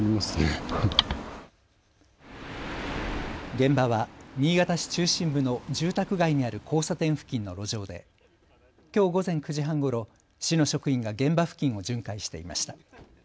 現場は新潟市中心部の住宅街にある交差点付近の路上できょう午前９時半ごろ、市の職員が現場付近を巡回していました。